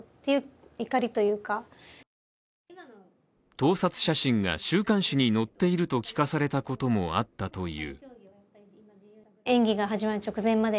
盗撮写真が週刊誌に載っていると聞かされたこともあったという。